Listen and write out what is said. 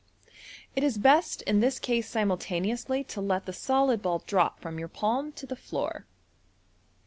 It is best in this case simultaneously to let the solid ball drop from your palm to the floor.